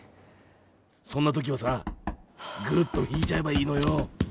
そんな時はさぐーっと引いちゃえばいいのよ。